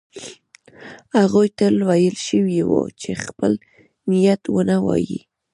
هغوی ته ویل شوي وو چې خپل نیت ونه وايي.